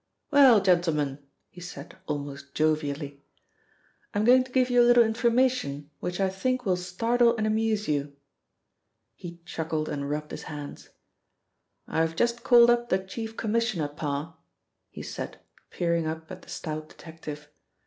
"Well, gentlemen," he said almost jovially, "I'm going to give you a little information which I think will startle and amuse you." He chuckled and rubbed his hands. "I have just called up the Chief Commissioner, Parr," he said, peering up at the stout detective.